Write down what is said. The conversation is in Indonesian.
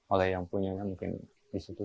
oleh yang punya kan mungkin di situ